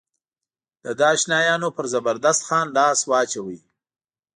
د ده اشنایانو پر زبردست خان لاس واچاوه.